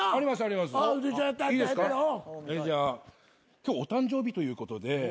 今日お誕生日ということで。